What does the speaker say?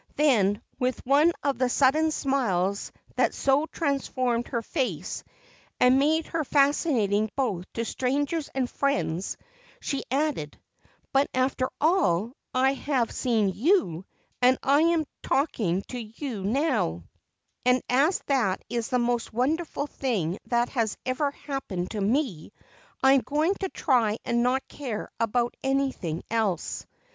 Then, with one of the sudden smiles that so transformed her face and made her fascinating both to strangers and friends she added: "But, after all, I have seen you and I am talking to you now, and as that is the most wonderful thing that has ever happened to me, I am going to try and not care about anything else."